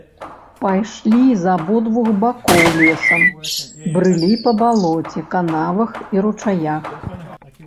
Пайшлі з абодвух бакоў лесам, брылі па балоце, канавах і ручаях.